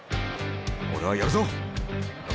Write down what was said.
俺はやるぞ望！